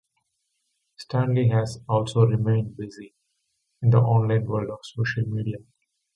Stanley has also remained busy in the online world of social media.